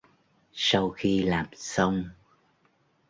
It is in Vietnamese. Sau khi làm xong